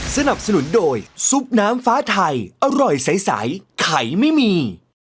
สนับสนุนโดยซุปน้ำฟ้าไทยอร่อยใสไข่ไม่มี